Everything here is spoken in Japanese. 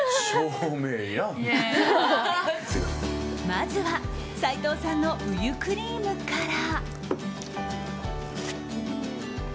まずは斉藤さんのウユクリームから。